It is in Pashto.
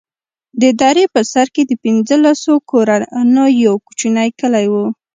د درې په سر کښې د پنځلسو كورونو يو كوچنى كلى و.